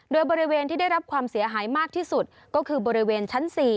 โดยบริเวณที่ได้รับความเสียหายมากที่สุดก็คือบริเวณชั้น๔